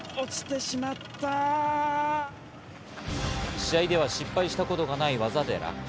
試合では失敗したことがない技で落下。